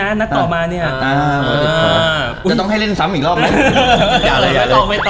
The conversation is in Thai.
อ่าจะต้องให้เล่นซ้ำอีกรอบไหมอย่าเลยไม่ต้องไม่ต้อง